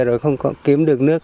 rồi không có kiếm được nước